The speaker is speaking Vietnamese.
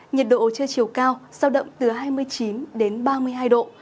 nhiệt độ chưa chiều cao sao đậm từ hai mươi chín đến ba mươi hai độ